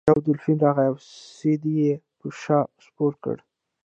یو دولفین راغی او سید یې په شا سپور کړ.